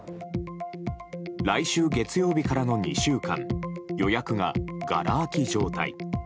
来週月曜日からの２週間予約が、がら空き状態。